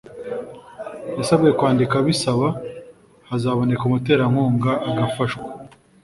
Yasabwe kwandika abisaba hazaboneka umuterankunga agafashwa